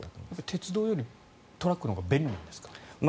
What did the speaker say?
鉄道よりトラックのほうが便利なんですか？